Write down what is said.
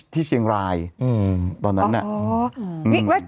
ที่เชียงรายอีกตอนนั้นนะอืมอ๋ออ